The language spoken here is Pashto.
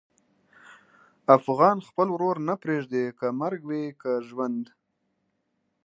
افغان خپل ورور نه پرېږدي، که مرګ وي که ژوند.